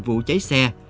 vụ cháy xe